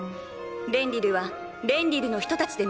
レンリルはレンリルの人たちで守ります。